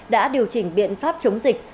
đã điều chỉnh biện pháp chống dịch